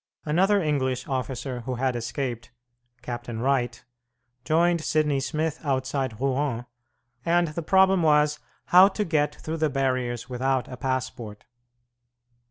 Another English officer who had escaped Captain Wright joined Sidney Smith outside Rouen, and the problem was how to get through the barriers without a passport.